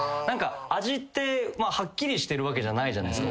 味ってはっきりしてるわけじゃないじゃないですか